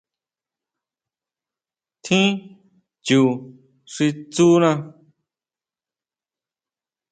Tjín chu xi tsúna.